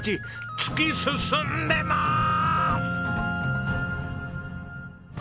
突き進んでまーす！